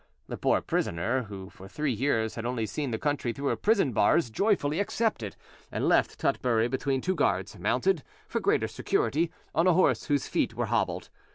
The poor prisoner, who for three years had only seen the country through her prison bars, joyfully accepted, and left Tutbury between two guards, mounted, for greater security, on a horse whose feet were hobbled.